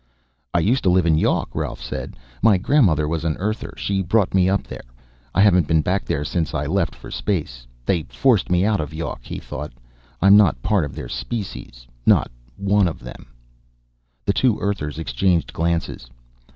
"I used to live in Yawk," Rolf said. "My grandmother was an Earther; she brought me up there. I haven't been back there since I left for space." They forced me out of Yawk, he thought. I'm not part of their species. Not one of them. The two Earthers exchanged glances.